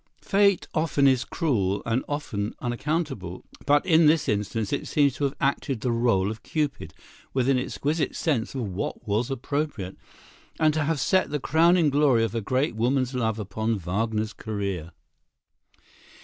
Fate often is cruel and often unaccountable, but in this instance it seems to have acted the rôle of Cupid with an exquisite sense of what was appropriate, and to have set the crowning glory of a great woman's love upon Wagner's career.